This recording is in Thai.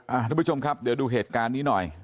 ทุกผู้ชมครับเดี๋ยวดูเหตุการณ์นี้หน่อย